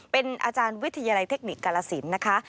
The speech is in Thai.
เป็นอาจารย์วิทยาลัยเทคนิคกาลสินนะคะ